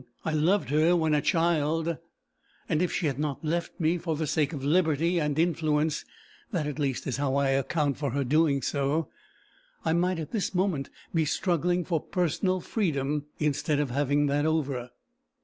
I loved her when a child; and if she had not left me for the sake of liberty and influence that at least is how I account for her doing so I might at this moment be struggling for personal freedom, instead of having that over."